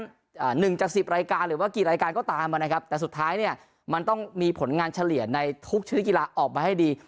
หนึ่งจากสิบรายการหรือว่ากี่รายการก็ตามอ่ะนะครับแต่สุดท้ายเนี่ยมันต้องมีผลงานเฉลี่ยในทุกชนิดกีฬาออกมาให้ดี